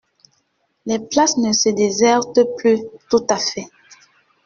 Les places ne se désertent plus tout à fait.